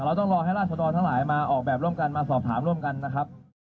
ต้องรอให้ราชดรทั้งหลายมาออกแบบร่วมกันมาสอบถามร่วมกันนะครับ